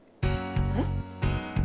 えっ？